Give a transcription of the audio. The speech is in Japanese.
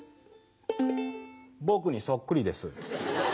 僕にそっくりです。